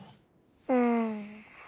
うん。